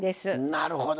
なるほど。